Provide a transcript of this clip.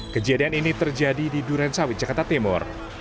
kejadian ini terjadi di duren sawit jakarta timur